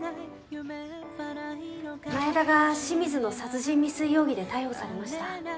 前田が清水の殺人未遂容疑で逮捕されました。